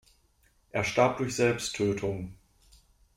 Er starb durch Selbsttötung.